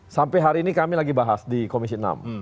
sampai hari ini kami lagi bahas di komisi enam